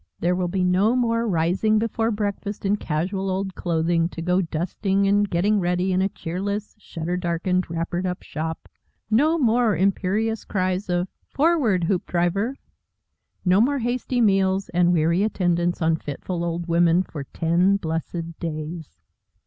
There will be no more rising before breakfast in casual old clothing, to go dusting and getting ready in a cheerless, shutter darkened, wrappered up shop, no more imperious cries of, "Forward, Hoopdriver," no more hasty meals, and weary attendance on fitful old women, for ten blessed days.